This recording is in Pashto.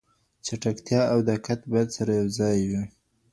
چټکتیا او دقت باید سره یو ځای وي.